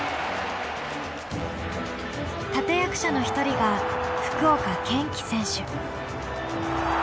立て役者の一人が福岡堅樹選手。